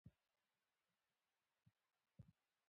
زه به سبا د تمرکز تمرین کوم.